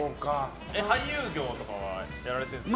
俳優業とかはやられてるんですか？